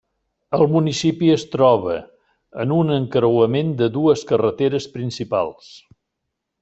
El municipi es troba en un encreuament de dues carreteres principals.